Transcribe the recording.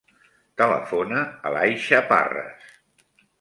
Telefona a l'Aixa Parres.